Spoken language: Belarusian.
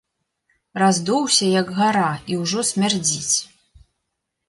Раздуўся, як гара, і ўжо смярдзіць.